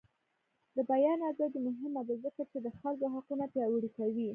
د بیان ازادي مهمه ده ځکه چې د خلکو حقونه پیاوړي کوي.